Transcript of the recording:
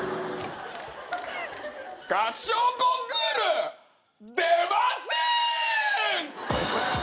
合唱コンクール出ません！